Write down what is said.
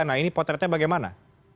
nah ini potretnya bagaimana